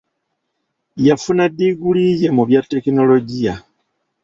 Yafuna diguli ye mu bya tekinologiya.